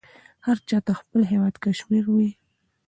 هر چاته خپل هیواد کشمیر وې.